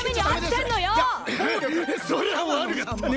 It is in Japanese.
そりゃ悪かったねえ。